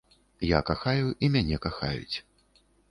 Я кахаю, і мяне кахаюць.